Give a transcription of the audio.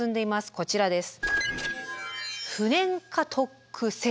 こちらです。